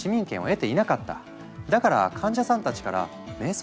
だから患者さんたちから「瞑想？